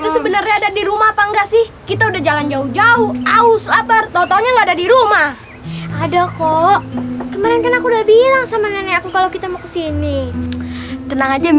sampai jumpa di video selanjutnya